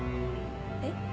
えっ？